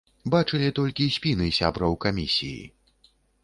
Бачылі толькі спіны сябраў камісіі.